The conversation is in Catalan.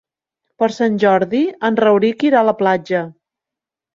Per Sant Jordi en Rauric irà a la platja.